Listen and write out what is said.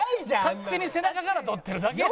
勝手に背中から撮ってるだけやん。